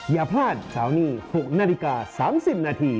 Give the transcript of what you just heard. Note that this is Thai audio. อย่าพลาดเสาร์นี้๖นาฬิกา๓๐นาที